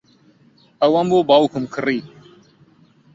ئەوەم بۆ باوکم کڕی.